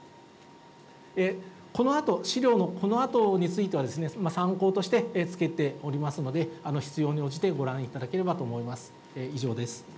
資料のこのあとについては、参考としてつけておりますので、必要に応じてご覧いただければと思います。